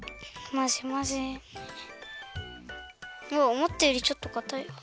おもったよりちょっとかたいわ。